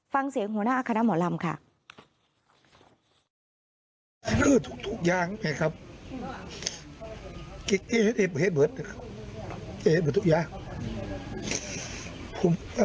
ฟังเสียงหัวหน้าคณะหมอลำค่ะ